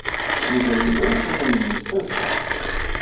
Yuba yuder isunan-nni s tazzla.